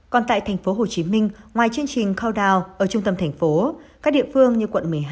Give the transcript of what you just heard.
còn tại thành phố hồ chí minh ngoài chương trình call down ở trung tâm thành phố các địa phương như quận một mươi hai